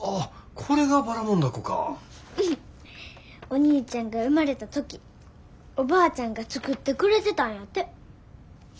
お兄ちゃんが生まれた時おばあちゃんが作ってくれてたんやて。